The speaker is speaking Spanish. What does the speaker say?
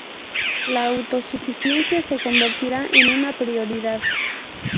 La autosuficiencia se convertirá en una prioridad.